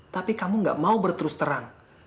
tapi kamu gak mau berterus terang